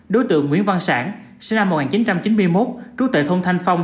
đối tượng nguyễn văn sản sinh năm một nghìn chín trăm chín mươi một trú tại thôn thanh phong